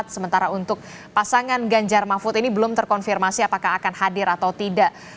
sementara untuk pasangan ganjar mahfud ini belum terkonfirmasi apakah akan hadir atau tidak